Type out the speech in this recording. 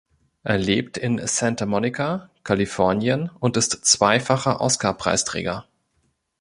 Er lebt in Santa Monica, Kalifornien und ist zweifacher Oscarpreisträger.